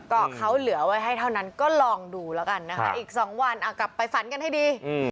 ก็เขาเหลือไว้ให้เท่านั้นก็ลองดูแล้วกันนะคะอีก๒วันกลับไปฝันกันให้ดี